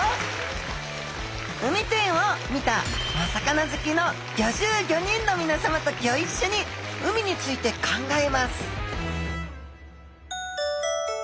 海展を見たお魚好きの５５人のみなさまとギョ一緒に海について考えます！